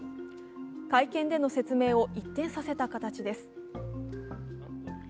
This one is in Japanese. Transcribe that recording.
会見での説明を一転させた形です。